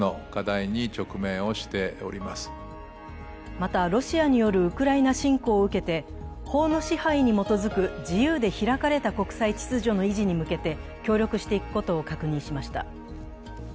また、ロシアによるウクライナ侵攻を受けて法の支配に基づく自由で開かれた国際秩序の維持に向けて協力していくことを確認しました。